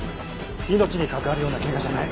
命に関わるような怪我じゃない。